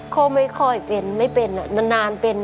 ก็ไม่ค่อยเป็นไม่เป็นนานเป็น